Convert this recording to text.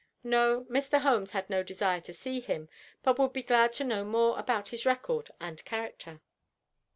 No; Mr. Holmes had no desire to see him, but would be glad to know more about his record and character.